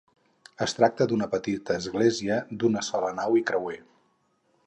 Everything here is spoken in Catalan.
Es tracta d'una petita església d'una sola nau i creuer.